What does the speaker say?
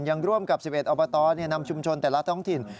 ยังร่วมกับ๑๑อบตนำชุมชนแต่ละท้องถิ่น